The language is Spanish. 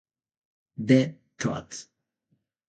The Todd.